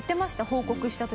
報告した時。